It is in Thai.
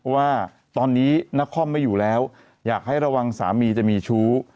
ว่าตอนนี้นักคอมไม่อยู่แล้วอยากให้ระวังสามีจะมีชู้